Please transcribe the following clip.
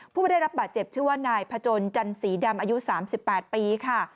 ผู้ได้รับบาดเจ็บชื่อว่านายพจนจันสีดำอายุ๓๘ปีค่ะ